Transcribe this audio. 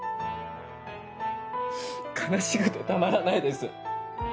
悲しくてたまらないです。